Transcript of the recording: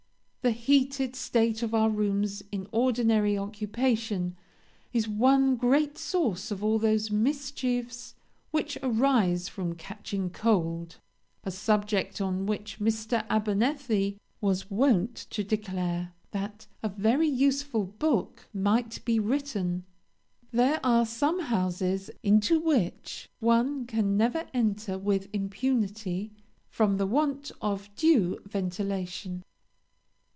The heated state of our rooms in ordinary occupation is one great source of all those mischiefs which arise from catching cold, a subject on which Mr. Abernethy was wont to declare, that 'a very useful book might be written.' There are some houses into which one can never enter with impunity, from the want of due ventilation.